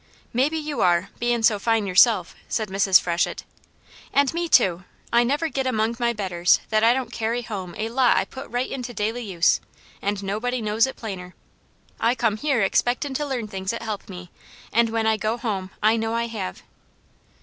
"Maybe you are, bein' so fine yourself," said Mrs. Freshett. "An' me too, I never get among my betters that I don't carry home a lot I put right into daily use, an' nobody knows it plainer. I come here expectin' to learn things that help me, an' when I go home I know I have."